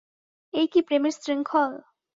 এই কি প্রেমের শৃঙ্খল?